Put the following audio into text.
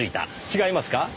違いますか？